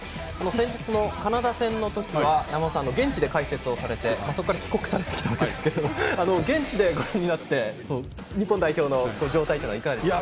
先日のカナダ戦では山本さんは現地で解説されてそこから帰国されてきたわけですけど現地でご覧になって日本代表の状態はいかがでしたか。